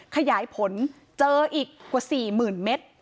ขยายผลเจออีกกว่า๔๐๐๐เมตร